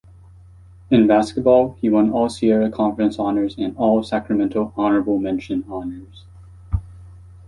In basketball, he won All-Sierra Conference honors and All-Sacramento honorable mention honors.